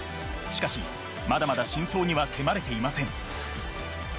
しかしまだまだ真相には迫れていません